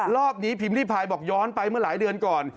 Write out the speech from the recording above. รอบนี้พิมพ์ริพายบอกย้อนไปเมื่อหลายเดือนก่อน